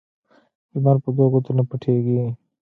لمر په دوو ګوتو نه پټېږي